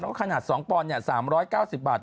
แล้วก็ขนาด๒ปอนด์๓๙๐บาท